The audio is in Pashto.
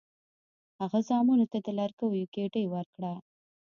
هغه زامنو ته د لرګیو ګېډۍ ورکړه.